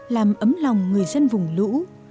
làm ấm lòng người dân vùng lũ